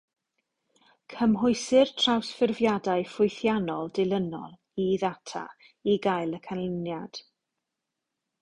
Cymhwysir trawsffurfiadau ffwythiannol dilynol i ddata i gael y canlyniad.